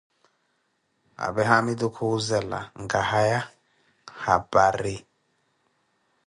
apee haamitu kuuzela, Nkahaya haparini?